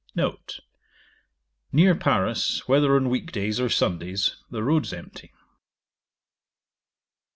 'N. [Note.] Near Paris, whether on week days or Sundays, the roads empty.